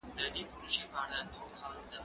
که وخت وي، ليکنه کوم!؟